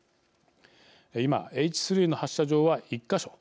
今、Ｈ３の発射場は１か所。